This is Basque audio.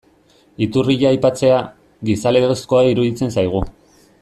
Iturria aipatzea, gizalegezkoa iruditzen zaigu.